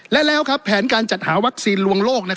และแล้วแผนการจัดหาวัคซีนลวงโลก